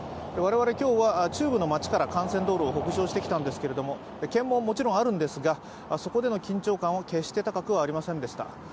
我々、今日は中部の街から幹線道路を北上してきたんですけれども検問はもちろんあるんですが、そこでの緊張感は決して高くはありませんでした。